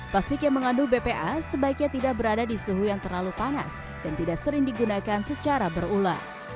plastik yang mengandung bpa sebaiknya tidak berada di suhu yang terlalu panas dan tidak sering digunakan secara berulang